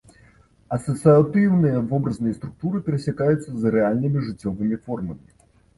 Асацыятыўныя вобразныя структуры перасякаюцца з рэальнымі жыццёвымі формамі.